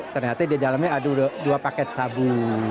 ternyata di dalamnya ada dua paket sabu